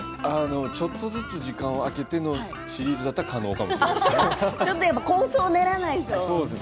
ちょっとずつ時間を空けてのシリーズだったら可能かもしれませんね。